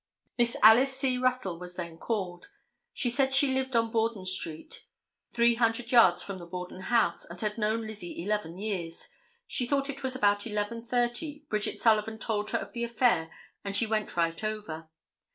Miss Alice C. Russell was then called. She said she lived on Borden street, three hundred yards from the Borden house, and had known Lizzie eleven years. She thought it was about 11:30, Bridget Sullivan told her of the affair and she went right over.